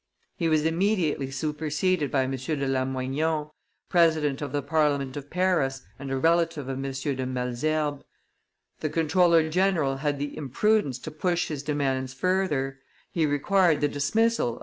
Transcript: He was immediately superseded by M. de Lamoignon, president of the parliament of Paris and a relative of M. de Malesherbes. The comptroller general had the imprudence to push his demands further; he required the dismissal of M.